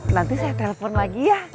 nanti saya telepon lagi ya